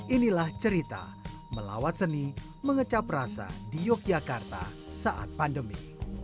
inilah cerita melawat seni mengecap rasa di yogyakarta saat pandemi